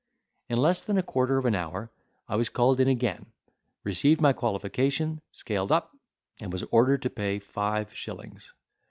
In less than a quarter of an hour, I was called in again, received my qualification scaled up, and was ordered to pay five shillings.